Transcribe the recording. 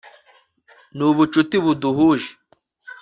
n'ubucuti buduhuje